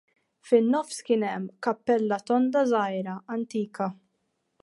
Fin-nofs kien hemm kappella tonda żgħira, antika.